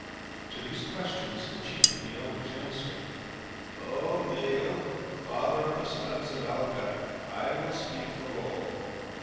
To these questions the chief of the Elders answered: "O Maël, father of the sons of Alca, I will speak for all.